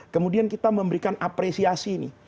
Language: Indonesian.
kemudian kita memberikan apresiasi